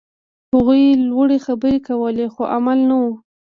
هغوی لوړې خبرې کولې، خو عمل نه و.